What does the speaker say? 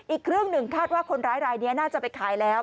อีกครึ่งหนึ่งคาดว่าคนร้ายรายนี้น่าจะไปขายแล้ว